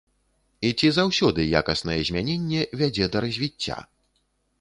І ці заўсёды якаснае змяненне вядзе да развіцця?